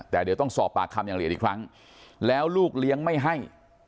แต่เดี๋ยวต้องสอบปากคำอย่างละเอียดอีกครั้งแล้วลูกเลี้ยงไม่ให้